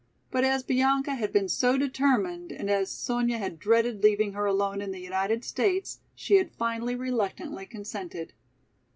But as Bianca had been so determined and as Sonya had dreaded leaving her alone in the United States, she had finally reluctantly consented.